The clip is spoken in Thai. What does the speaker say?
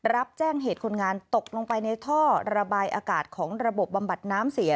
รับแจ้งเหตุคนงานตกลงไปในท่อระบายอากาศของระบบบำบัดน้ำเสีย